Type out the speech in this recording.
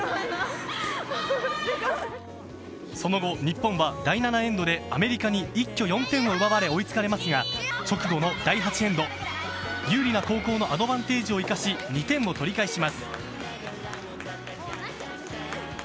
その後、日本は第７エンドでアメリカに一挙４点を奪われ追いつかれますが直後の第８エンド有利な後攻のアドバンテージを生かし２点を取り返します。